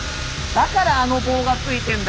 だからあの棒がついてんだ。